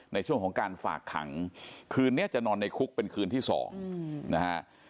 ในช่วงของการฝากขังคืนนี้จะนอนในคุกเป็นคืนที่๒นะฮะ